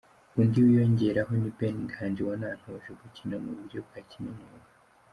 Undi wiyongeraho ni Ben Nganji wanantoje gukina mu buryo bwa kinyamwuga.